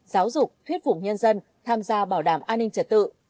giáo dục thuyết phục nhân dân tham gia bảo đảm an ninh trật tự